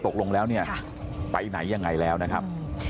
ตกลงแล้วเนี่ยไปไหนยังไงแล้วนะครับ